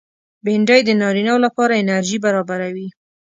بېنډۍ د نارینه و لپاره انرژي برابروي